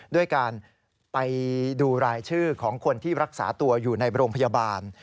ด้วยการไปดูรายชื่อของคนที่รักษาตัวอยู่ในโรงพยาบาล